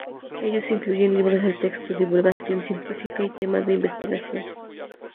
Ellos incluyen libros de texto, divulgación científica y temas de investigación.